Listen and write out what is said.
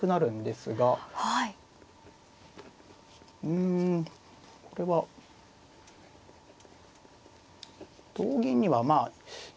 うんこれは同銀にはまあ。